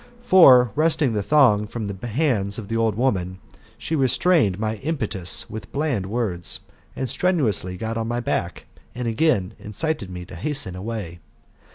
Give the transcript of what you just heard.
For, wresung the thong from the hands of the old woman, she restrained my impetus with bland words, strenu ously got on my back, and again incited me to hasten away.